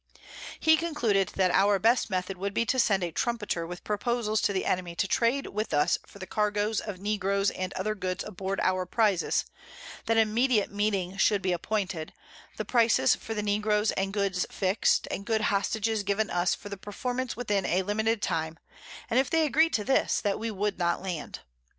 He concluded, that our best Method would be to send a Trumpeter with Proposals to the Enemy to trade with us for the Cargoes of Negroes and other Goods aboard our Prizes, that an immediate Meeting should be appointed, the Prices for the Negro's and Goods fix'd, and good Hostages given us for the Performance within a limited Time, and if they agreed to this, that we would not land.